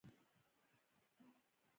مسلکي توب د ادارې اړتیا ده